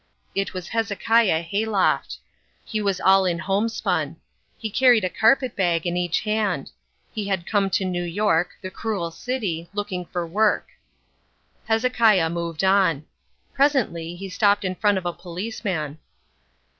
It was Hezekiah Hayloft. He was all in homespun. He carried a carpet bag in each hand. He had come to New York, the cruel city, looking for work. Hezekiah moved on. Presently he stopped in front of a policeman.